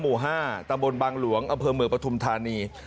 หมู่๕ตำรวจบังหลวงเอาเพื่อเมืองประธุมธานี